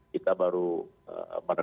kita baru menerima